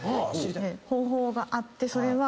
方法があってそれは。